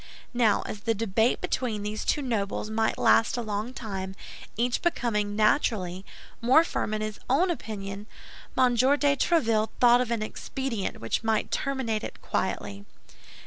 Now, as the debate between these two nobles might last a long time, each becoming, naturally, more firm in his own opinion, M. de Tréville thought of an expedient which might terminate it quietly.